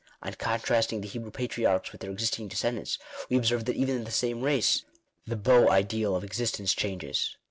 On contrasting the Hebrew patriarchs with their existing descendants, we observe that even in the same race the beau ideal of existence changes.